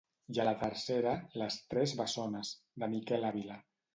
I a la tercera, "Les tres bessones", de Miquel Àvila.